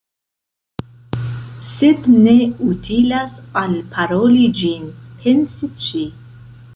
"Sed ne utilas alparoli ĝin," pensis ŝi.